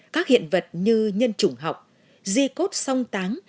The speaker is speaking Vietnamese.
các hiện vật như nhân chủng học di cốt sông táng